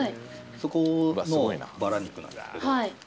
そこのバラ肉なんですけど。